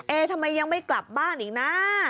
ทำไมยังไม่กลับบ้านอีกนะ